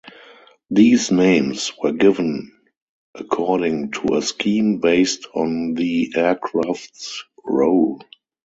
These names were given according to a scheme based on the aircraft's role.